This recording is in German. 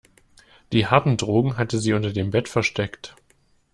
Die harten Drogen hatte sie unter dem Bett versteckt.